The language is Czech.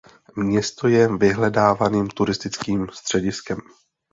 Město je vyhledávaným turistickým střediskem.